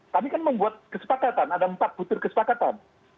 kami kan membuat kesepakatan ada empat butir kesepakatan